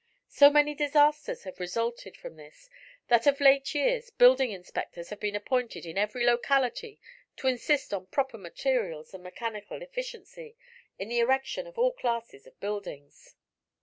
So many disasters have resulted from this that of late years building inspectors have been appointed in every locality to insist on proper materials and mechanical efficiency in the erection of all classes of buildings.